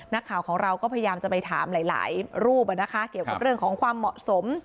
นักข่าวของเราก็พยายามจะไปถามหลายรูปเกี่ยวกับเรื่องของความเหมาะสม